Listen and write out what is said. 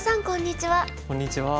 こんにちは。